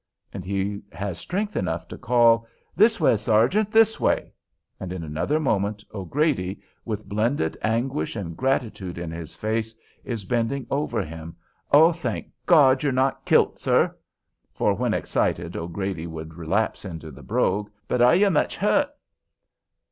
and he has strength enough to call, "This way, sergeant, this way," and in another moment O'Grady, with blended anguish and gratitude in his face, is bending over him. "Oh, thank God you're not kilt, sir!" (for when excited O'Grady would relapse into the brogue); "but are ye much hurt?"